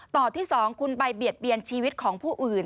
ต่อที่๒คุณไปเบียดเบียนชีวิตของผู้อื่น